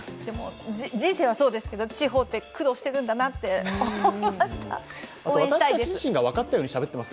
人生はそうですけど、地方って苦労してるんだなと思いました、応援したいです。